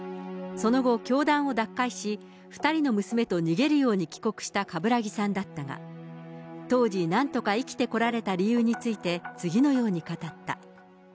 その後、教団を脱会し、２人の娘と逃げるように帰国した冠木さんだったが、当時、なんとか生きてこられた理由について、次のように語った。